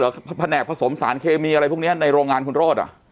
แผนกผสมสารเคมีอะไรพวกนี้ในโรงงานคุณโรธอ่ะ